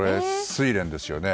スイレンですよね。